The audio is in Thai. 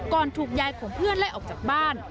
ถูกยายของเพื่อนไล่ออกจากบ้าน